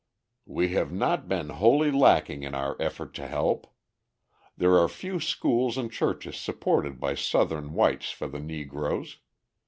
We have not been wholly lacking in our effort to help. There are a few schools and churches supported by Southern whites for the Negroes.